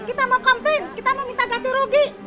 kita mau komplain kita mau minta ganti rugi